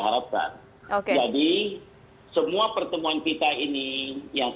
harapkan jadi semua pertemuan kita ini yang